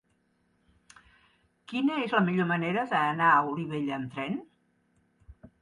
Quina és la millor manera d'anar a Olivella amb tren?